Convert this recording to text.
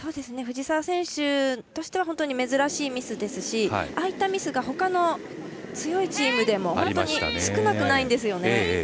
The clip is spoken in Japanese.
藤澤選手としては、本当に珍しいミスですしああいったミスがほかの強いチームでも本当に少なくないんですね。